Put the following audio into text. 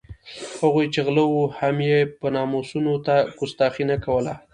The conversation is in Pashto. هغوی چې غله وو هم یې ناموسونو ته کستاخي نه کوله.